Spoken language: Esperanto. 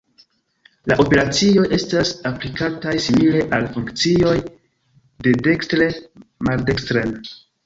La operacioj estas aplikataj simile al funkcioj de dekstre maldekstren.